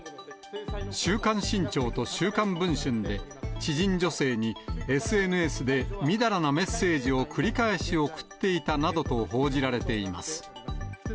週刊新潮と週刊文春で知人女性にＳＮＳでみだらなメッセージを繰り返し送っていたなどと報じられています。